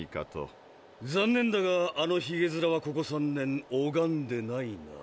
残念だがあのひげづらはここ３年拝んでないな。